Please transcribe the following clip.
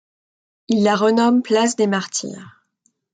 Ils la renomment Place des Martyrs.